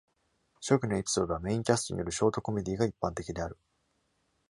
初期のエピソードは、メインキャストによるショートコメディが一般的である。